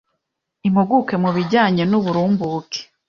Impuguke mu bijyanye n'uburumbuke